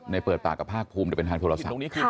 ในเปิดปากกับภาคภูมิแต่เป็นทางโทรศักดิ์